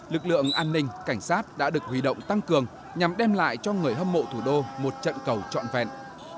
lực lượng an ninh cảnh sát đã được huy động tăng cường nhằm đem lại cho người hâm mộ thủ đô một trận cầu trọn vẹn